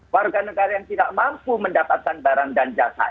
warga negara yang tidak mampu mendapatkan barang dan jasa